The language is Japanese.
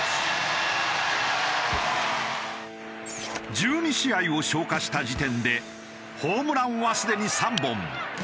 １２試合を消化した時点でホームランはすでに３本。